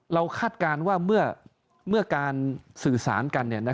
คาดการณ์ว่าเมื่อการสื่อสารกัน